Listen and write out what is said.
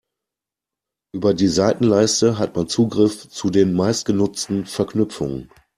Über die Seitenleiste hat man Zugriff zu den meistgenutzten Verknüpfungen.